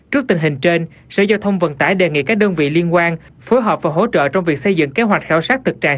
trước tình hình trên sở giao thông vận tải đề nghị các đơn vị liên quan phối hợp và hỗ trợ trong việc xây dựng kế hoạch khảo sát thực trạng